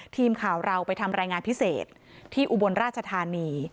ทีมข่าวเราไปทำรายงานพิเศษที่อุบลราชธานี